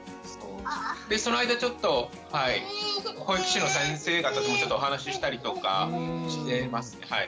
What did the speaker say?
でその間ちょっと保育士の先生方ともちょっとお話ししたりとかしてますね。